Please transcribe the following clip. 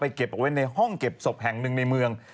เก็บเอาไว้ในห้องเก็บศพแห่งหนึ่งในเมือง